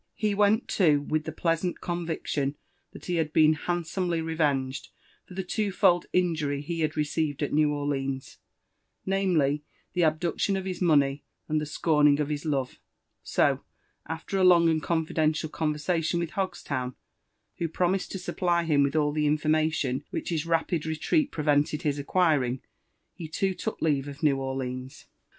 He went, too, with the pleasant con viction that he had been handsomely revenged " for the twofold in jury he had received at New Orleans ; namely, the abduction of his money, and the scorning of his love '; so, after a long and confideutial conversation with Hogstown, who promised to supply him with all the information which his rapid retreat prevented his acquiring, he too took leave of New Orleans.